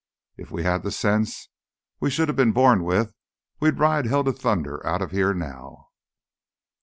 If we had the sense we shoulda been born with, we'd ride hell to thunder outta here now!"